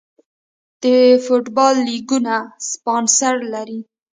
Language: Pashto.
د فوټبال لیګونه سپانسر لري